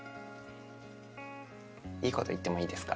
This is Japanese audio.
いい事言ってもいいですか？